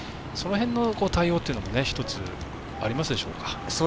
その辺の対応というのも１つありますでしょうか。